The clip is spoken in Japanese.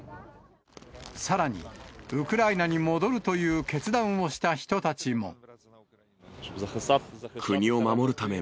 さらに、ウクライナに戻るという決断をした人たちも。